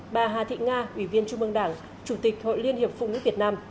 bà hà thị nga ủy viên trung mương đảng chủ tịch hội liên hiệp phụ nữ việt nam